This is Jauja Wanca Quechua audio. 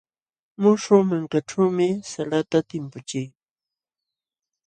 Muśhuq mankaćhuumi salata timpuchii.